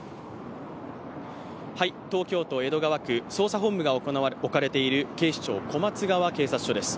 東京都江戸川区捜査本部が置かれている警視庁小松川警察署です